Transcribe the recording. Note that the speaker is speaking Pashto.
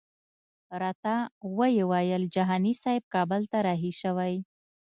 راته ویې ویل جهاني صاحب کابل ته رهي شوی.